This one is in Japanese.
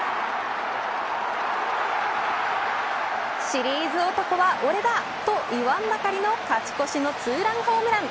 シリーズ男は俺だと言わんばかりの勝ち越しのツーランホームラン。